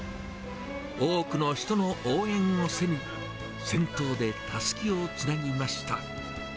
多くの人の応援を背に、先頭でたすきをつなぎました。